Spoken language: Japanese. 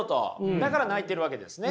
だから泣いてるわけですね。